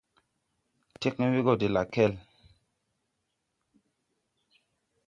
Tẽgn we gɔ de lakɛl,